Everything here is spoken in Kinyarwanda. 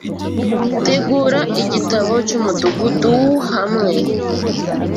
tegura igitabo cy'umudugudu hamwe